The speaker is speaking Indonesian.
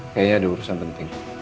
kayaknya ada urusan penting